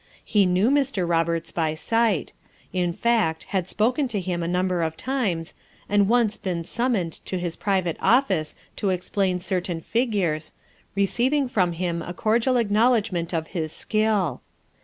He knew Mr. Roberts by sight ; in fact had spoken to him a number of times, and once been summoned to his private office to explain certain figures, receiving from him a cordial acknowledgment of his skill.